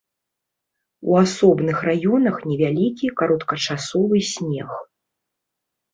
У асобных раёнах невялікі кароткачасовы снег.